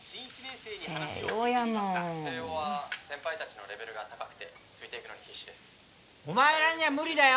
星葉やもん星葉は先輩たちのレベルが高くてついていくのに必死ですお前らにゃ無理だよ！